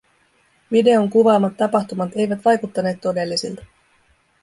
Videon kuvaamat tapahtumat eivät vaikuttaneet todellisilta.